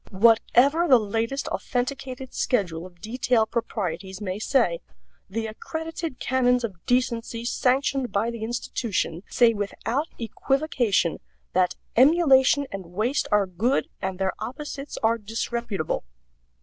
Whatever the latest authenticated schedule of detail proprieties may say, the accredited canons of decency sanctioned by the institution say without equivocation that emulation and waste are good and their opposites are disreputable.